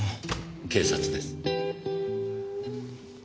警察です。